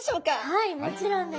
はいもちろんです。